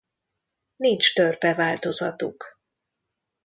Nincs törpe változatuk.